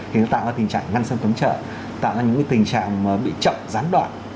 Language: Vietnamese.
thì nó tạo ra tình trạng ngăn sân cấm chợ tạo ra những tình trạng bị chậm gián đoạn